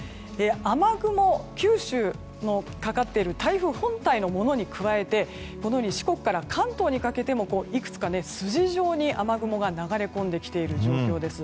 雨雲、九州のかかっている台風本体のものに加えて四国から関東にかけてもいくつか筋状に雨雲が流れ込んできている状況です。